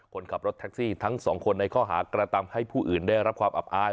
คนขับรถแท็กซี่ทั้งสองคนในข้อหากระทำให้ผู้อื่นได้รับความอับอาย